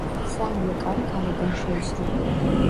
სამივე კარი გარედან შეისრულია.